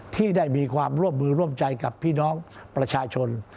ที่ได้มีความร่วมมือร่วมใจกับพี่น้องประชาชน